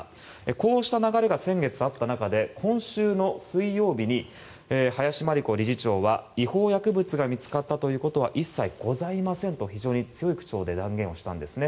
こうした流れが先月あった中で今週の水曜日に林真理子理事長は違法薬物が見つかったということは一切ございませんと非常に強い口調で断言をしたんですね。